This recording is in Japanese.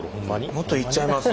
もっといっちゃいます？